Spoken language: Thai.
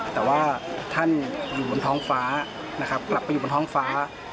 แต่ว่าท่านอยู่บนท้องฟ้านะครับกลับไปอยู่บนท้องฟ้า